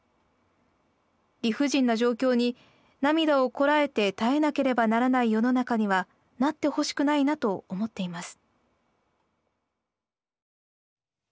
理不尽な状況に涙を堪えて耐えなければならない世の中にはなってほしくないなと思っています」。